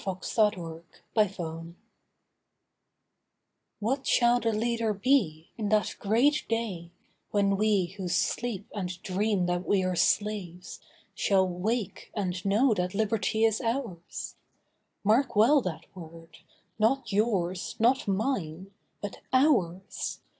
THE LEADER TO BE What shall the leader be in that great day When we who sleep and dream that we are slaves Shall wake and know that Liberty is ours? Mark well that word—not yours, not mine, but ours.